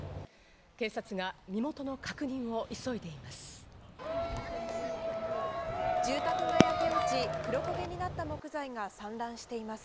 警察が身元の確認を急いでいます。